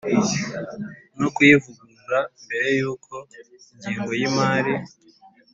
no kuyivugurura Mbere y uko ingengo y imari